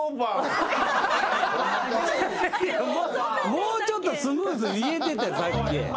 もうちょっとスムーズに言えてたさっき。